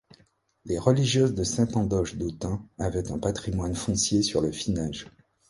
Les religieuses de Saint-Andoche d'Autun avaient un patrimoine foncier sur le finage.